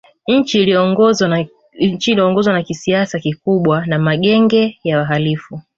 Nchi iliongozwa na kiasi kikubwa na magenge ya wahalifu